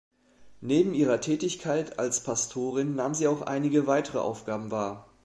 Neben ihrer Tätigkeit als Pastorin nahm sie auch einige weitere Aufgaben wahr.